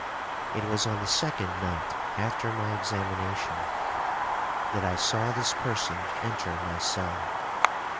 It was on the second night after my examination, that I saw this person enter my cell.